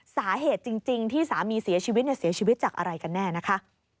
สาเหตุจริงที่สามีเสียชีวิตเสียชีวิตจากอะไรกันแน่นะคะ